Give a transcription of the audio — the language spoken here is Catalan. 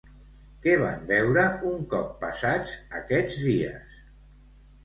Què van veure un cop passats aquests dies?